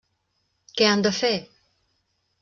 Què han de fer?